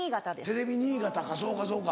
テレビ新潟かそうかそうか。